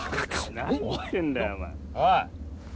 おい！